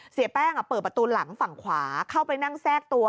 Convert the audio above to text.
เสียแป้งเปิดประตูหลังฝั่งขวาเข้าไปนั่งแทรกตัว